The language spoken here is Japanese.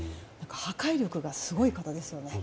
破壊力がすごい方ですよね。